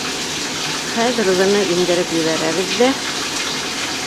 Хәҙер быны индереп ебәрәбеҙ ҙә